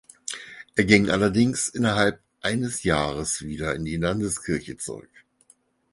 Er ging allerdings innerhalb eines Jahres wieder in die Landeskirche zurück.